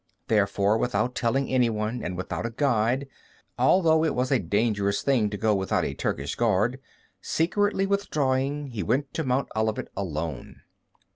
Therefore, without telling any one, and without a guide, although it was a dangerous thing to go without a Turkish guard, secretly withdrawing he went to Mount Olivet alone.